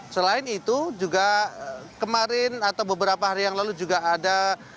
selain itu juga kemarin atau beberapa hari yang lalu juga ada